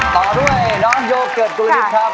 ต่อด้วยน้องโยเกิร์ตบุริสครับ